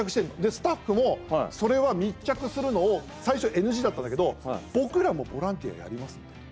スタッフも、それは密着するのを最初ＮＧだったんだけど僕らもボランティアやりますって。